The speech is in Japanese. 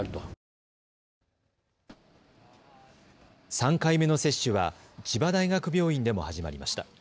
３回目の接種は千葉大学病院でも始まりました。